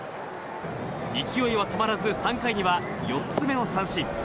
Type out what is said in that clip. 勢いは止まらず、３回には、４つ目の三振。